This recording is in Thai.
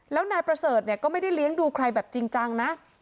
แล้วนายประเสริฐเนี่ยก็ไม่ได้เลี้ยงดูใครแบบจริงจังนะ